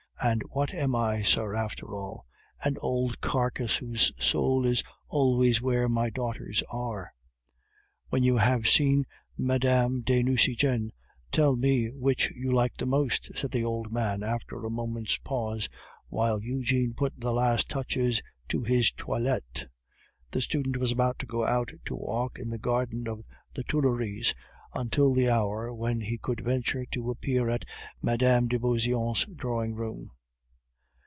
And what am I, sir, after all? An old carcase, whose soul is always where my daughters are. When you have seen Mme. de Nucingen, tell me which you like the most," said the old man after a moment's pause, while Eugene put the last touches to his toilette. The student was about to go out to walk in the Garden of the Tuileries until the hour when he could venture to appear in Mme. de Beauseant's drawing room.